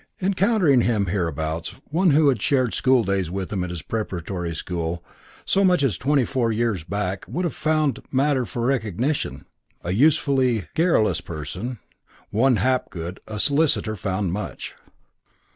Encountering him hereabouts, one who had shared school days with him at his preparatory school so much as twenty four years back would have found matter for recognition. A usefully garrulous person, one Hapgood, a solicitor, found much.